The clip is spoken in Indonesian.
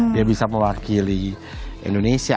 dia bisa mewakili indonesia